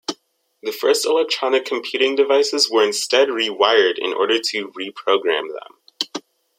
The first electronic computing devices were instead rewired in order to "reprogram" them.